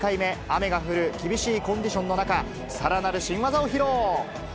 雨が降る厳しいコンディションの中、さらなる新技を披露。